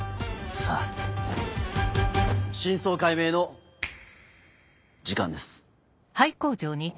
さぁ真相解明の時間です。